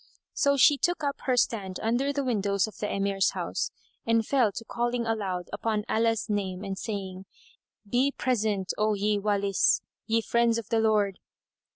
So she took up her stand under the windows of the Emir's house, and fell to calling aloud upon Allah's name and saying, "Be present, O ye Walis, ye friends of the Lord!"